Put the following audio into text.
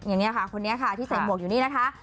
อย่างนี้ค่ะคนนี้ค่ะที่ใส่หมวกอยู่นี่นะคะ